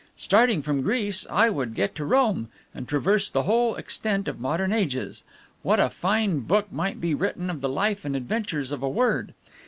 Starting from Greece, I would get to Rome, and traverse the whole extent of modern ages. What a fine book might be written of the life and adventures of a word!